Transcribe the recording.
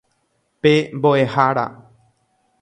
Pe mbo'ehára.